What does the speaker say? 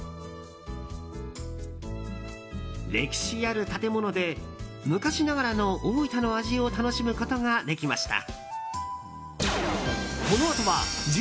歴史ある建物で昔ながらの大分の味を楽しむことができました。